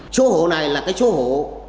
chỗ hổ này là cái chỗ hổ